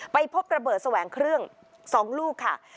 พบระเบิดแสวงเครื่อง๒ลูกค่ะ